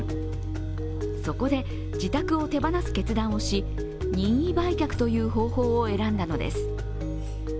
そこで自宅を手放す決断をし、任意売却という方法を選んだのです。